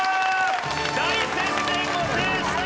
大接戦を制した！